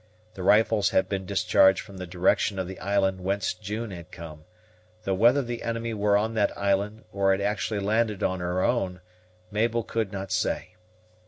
The rifles had been discharged from the direction of the island whence June had come, though whether the enemy were on that island, or had actually landed on her own, Mabel could not say.